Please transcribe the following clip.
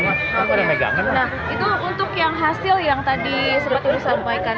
nah itu untuk yang hasil yang tadi seperti disampaikan